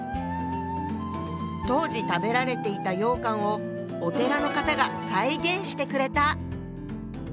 当時食べられていた羊羹をお寺の方が再現してくれた。